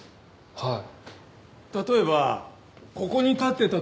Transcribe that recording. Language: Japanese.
はい。